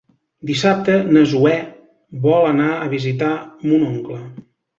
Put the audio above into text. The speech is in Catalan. Dissabte na Zoè vol anar a visitar mon oncle.